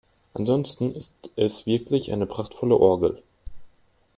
Ansonsten ist es wirklich eine prachtvolle Orgel.